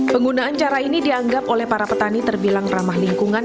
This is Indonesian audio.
penggunaan cara ini dianggap oleh para petani terbilang ramah lingkungan